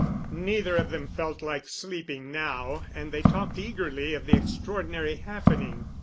Neither of them felt like sleeping now and they talked eagerly of the extraordinary happening.